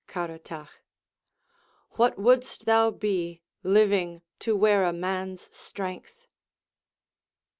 Caratach What wouldst thou be, living To wear a man's strength!